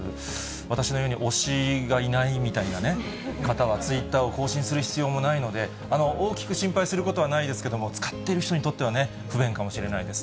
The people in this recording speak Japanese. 私のように推しがいないみたいなね、方はツイッターを更新する必要もないので、大きく心配することはないですけれども、使っている人にとっては不便かもしれないです